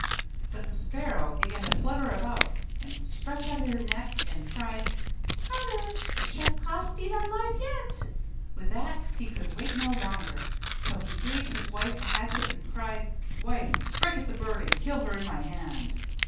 But the sparrow began to flutter about, and stretch out her neck and cried, 'Carter! it shall cost thee thy life yet!' With that he could wait no longer: so he gave his wife the hatchet, and cried, 'Wife, strike at the bird and kill her in my hand.